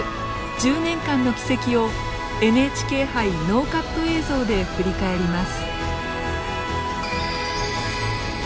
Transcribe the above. １０年間の軌跡をＮＨＫ杯ノーカット映像で振り返ります。